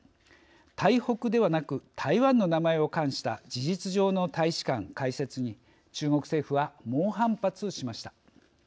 台北ではなく台湾の名前を冠した事実上の大使館開設に中国政府は猛反発しました。